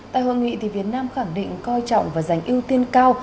tại hội nghị việt nam khẳng định coi trọng và giành ưu tiên cao